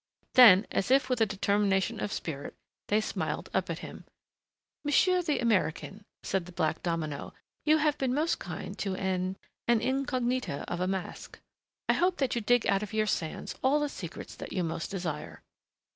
Then, as if with a determination of the spirit, they smiled up at him. "Monsieur the American," said the black domino, "you have been most kind to an an incognita of a masque. I hope that you dig out of your sands all the secrets that you most desire."